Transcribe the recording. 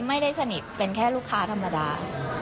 ไม่ได้สนิทเป็นแค่ลูกค้าธรรมดา